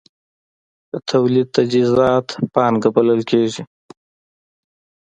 د تولید تجهیزات پانګه بلل کېږي.